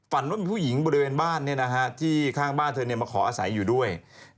ว่ามีผู้หญิงบริเวณบ้านที่ข้างบ้านเธอมาขออาศัยอยู่ด้วย